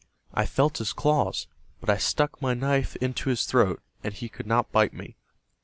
"I felt his claws, but I stuck my knife into his throat, and he could not bite me.